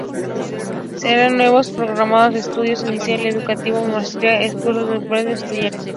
Se crean nuevos programas de estudio a nivel licenciatura, maestría, cursos, diplomados y talleres.